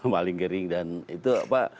maling jering dan itu apa